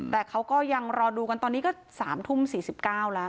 แต่เขาก็ยังรอดูกันตอนนี้ก็๓ทุ่ม๔๙แล้ว